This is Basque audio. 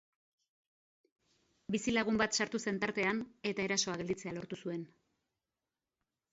Bizilagun bat sartu zen tartean, eta erasoa gelditzea lortu zuen.